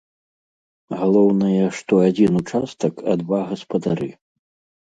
Галоўнае, што адзін участак, а два гаспадары!